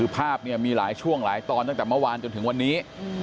ภาพมีหลายช่วงหลายตอนตั้งแต่เมื่อวานจนถึงวันนี้